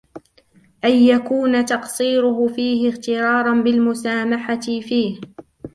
أَنْ يَكُونَ تَقْصِيرُهُ فِيهِ اغْتِرَارًا بِالْمُسَامَحَةِ فِيهِ